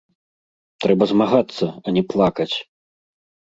Трэба змагацца, а не плакаць!